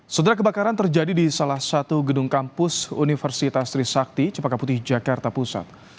setelah kebakaran terjadi di salah satu gedung kampus universitas trisakti cepaka putih jakarta pusat